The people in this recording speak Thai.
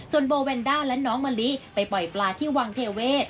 ส่วนโบแวนด้าและน้องมะลิไปปล่อยปลาที่วังเทเวศ